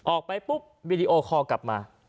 ออกไปปุ๊บวีดีโอคอลกลับมา